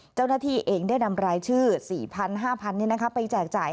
เจ้าหน้าที่เองได้นำรายชื่อ๔๐๐๕๐๐ไปแจกจ่าย